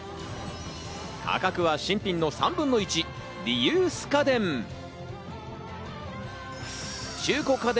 価格は新品の３分の１、リユース家電。